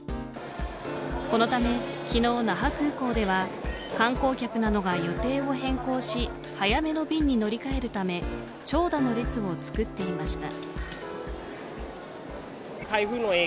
このため昨日、那覇空港では観光客などが予定を変更し早めの便に乗り換えるため長蛇の列を作っていました。